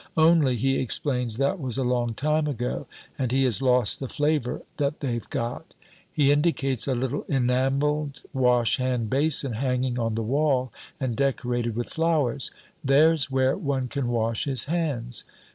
Only, he explains, that was a long time ago, and he has lost the flavor that they've got. He indicates a little enameled wash hand basin hanging on the wall and decorated with flowers: "There's where one can wash his hands."